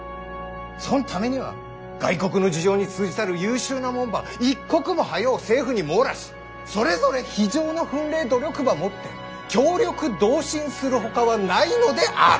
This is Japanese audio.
そんためには外国の事情に通じたる優秀なもんば一刻も早う政府に網羅しそれぞれ非常の奮励努力ばもって協力同心するほかはないのである。